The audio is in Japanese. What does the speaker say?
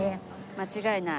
間違いない。